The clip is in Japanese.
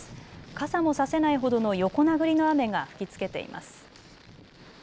傘も差せないほどの横殴りの雨が吹きつけています。